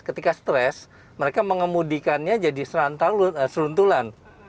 ketika stres mereka mengemudikannya jadi seruntulan